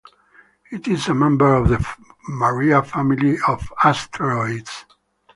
It is a member of the Maria family of asteroids.